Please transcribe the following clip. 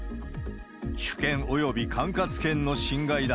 主権、および管轄権の侵害だ。